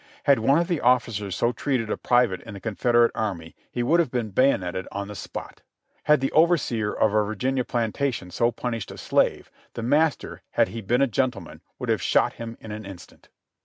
Had one of the officers so treated a private in the Confederate Army he would have been bayoneted on the spot; had the overseer on a Virginia plantation so punished a slave, the master, had he been a gentleman, would have shot him in an instant.